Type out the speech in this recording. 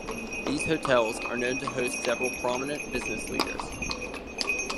These hotels are also known to host several prominent business leaders.